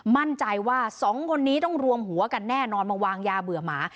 มั่นใจว่าสองคนนี้ต้องรวมหัวกันแน่นอนมาวางยาเบื่อหมา